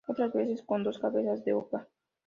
Otras veces con dos cabezas de oca.